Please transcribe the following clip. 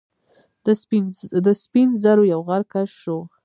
د سپین زرو یو غر کشف شو.